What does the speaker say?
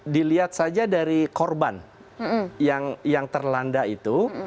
dilihat saja dari korban yang terlanda itu